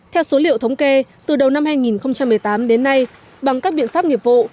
theo số liệu thống kê từ đầu năm hai nghìn một mươi tám đến nay bằng các biện pháp nghiệp vụ